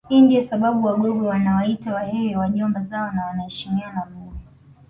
Hii ndiyo sababu Wagogo wanawaita Wahehe Wajomba zao na wanaheshimiana mno